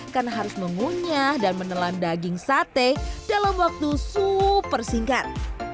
karena harus mengunyah dan menelan daging sate dalam waktu super singkat